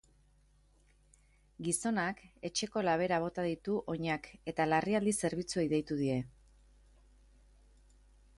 Gizonak etxeko labera bota ditu oinak eta larrialdi zerbitzuei deitu die.